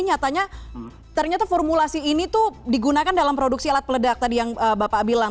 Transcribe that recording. nyatanya ternyata formulasi ini tuh digunakan dalam produksi alat peledak tadi yang bapak bilang